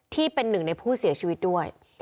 ที่เป็นหนึ่งในผู้เสียชีวิตด้วย